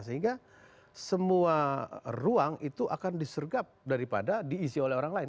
sehingga semua ruang itu akan disergap daripada diisi oleh orang lain